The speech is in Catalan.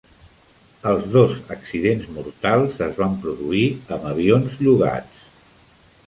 Els dos accidents mortals es van produir amb avions llogats.